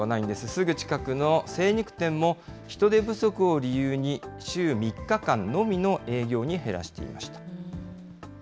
すぐ近くの精肉店も、人手不足を理由に、週３日間のみの営業に減らしていました。